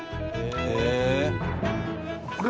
へえ！